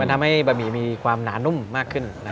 ทำให้บะหมี่มีความหนานุ่มมากขึ้น